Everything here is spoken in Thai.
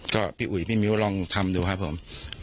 ก็พี่อุ๋ยพี่มิ้วลองทำดูครับผม